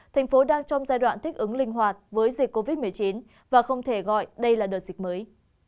thành phố đang trong giai đoạn thích ứng linh hoạt với dịch covid một mươi chín và không thể gọi đây là đợt dịch mới